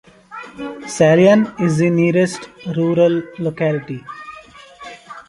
Salyan is the nearest rural locality.